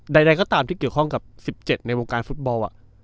ใดก็ตามที่เกี่ยวข้องกับ๑๗ในวงการฟุตบอล